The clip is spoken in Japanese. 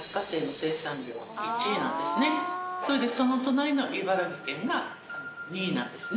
その隣の茨城県が２位なんですね。